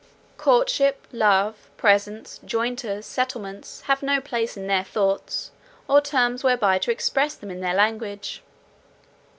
Courtship, love, presents, jointures, settlements have no place in their thoughts, or terms whereby to express them in their language.